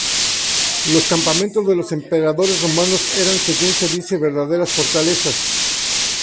Los campamentos de los emperadores romanos eran, según se dice, verdaderas fortalezas.